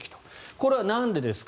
これはなんでですか。